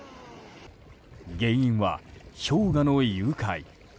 原因は、氷河の融解。